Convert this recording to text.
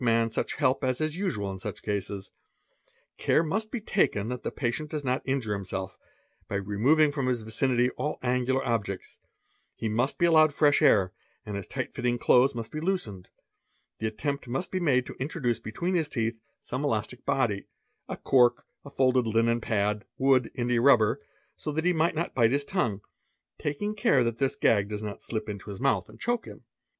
man such help as is usual in such cases. Care must be taken that th patient does not injure himself, by removing from his vicinity all angular objects; he must be allowed fresh air and his tight fitting clothes mus be loosened ; the attempt must be made to introduce between his : cet some elastic body, a cork, a folded linen pad, wood, india rubber, so t na he may not bite his tongue, taking care that this gag does not slip in his mouth and choke him.